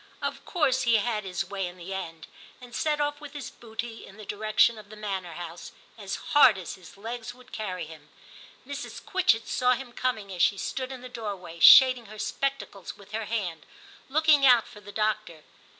Of course he had his way in the end, and set off with his booty in the direction of the manor house, as hard as his legs would carry him. Mrs. Quitchett saw him coming as she stood in the doorway, shading her spectacles with her hand, looking out for the doctor.